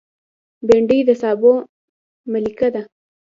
بېنډۍ د سابو ملکانه ده